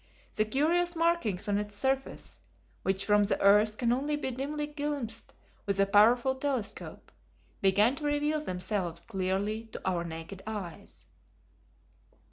The curious markings on its surface, which from the earth can only be dimly glimpsed with a powerful telescope, began to reveal themselves clearly to our naked eyes.